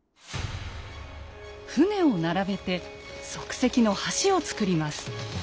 舟を並べて即席の橋をつくります。